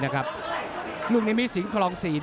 หรือว่าผู้สุดท้ายมีสิงคลอยวิทยาหมูสะพานใหม่